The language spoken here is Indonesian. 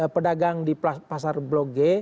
pedagang di pasar blok g